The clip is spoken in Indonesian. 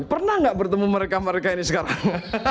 pernah nggak bertemu mereka mereka ini sekarang